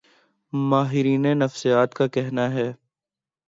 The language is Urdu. ماہرین نفسیات کا کہنا ہے